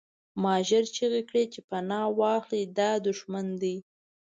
ما ژر چیغې کړې چې پناه واخلئ دا دښمن دی